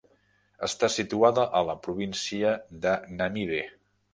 Està situada a la província de Namibe.